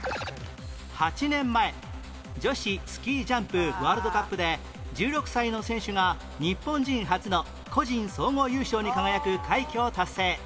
８年前女子スキージャンプワールドカップで１６歳の選手が日本人初の個人総合優勝に輝く快挙を達成